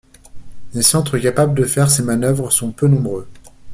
Les centres capables de faire ces manœuvres sont peu nombreux.